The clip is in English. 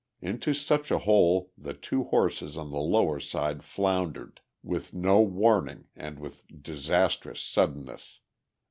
Into such a hole the two horses on the lower side floundered, with no warning and with disastrous suddenness.